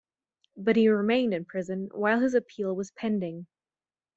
But he remained in prison while his appeal was pending.